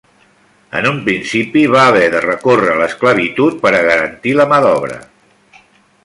En un principi va haver de recórrer a l'esclavitud per a garantir la mà d'obra.